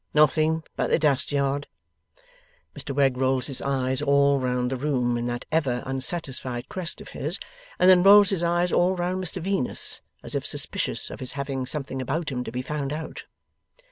'Nothing but the dust yard.' Mr Wegg rolls his eyes all round the room, in that ever unsatisfied quest of his, and then rolls his eyes all round Mr Venus; as if suspicious of his having something about him to be found out.